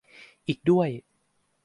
อีกด้วย